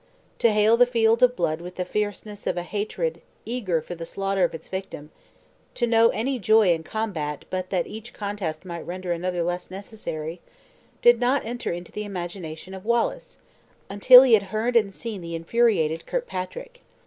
To hail the field of blood with the fierceness of a hatred eager for the slaughter of its victim to know any joy in combat but that each contest might render another less necessary did not enter into the imagination of Wallace until he had heard and seen the infuriate Kirkpatrick.